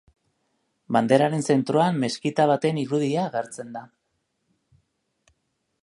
Banderaren zentroan meskita baten irudia agertzen da.